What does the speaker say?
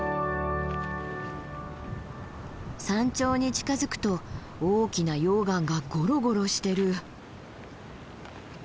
山頂に近づくと大きな溶岩がゴロゴロしてる。